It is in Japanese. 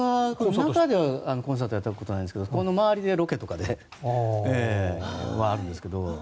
中でコンサートはやったことないんですけどこの周りでロケとかではあるんですが。